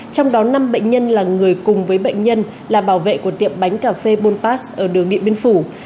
trong đó năm bệnh nhân là người cùng với bệnh nhân là bảo vệ của tiệm bánh cà phê bulpas ở đường điện biên phủ